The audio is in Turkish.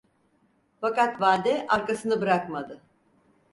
Fakat valde arkasını bırakmadı.